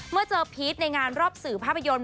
เมื่อเจอพีชในงานรอบสื่อภาพยนตร์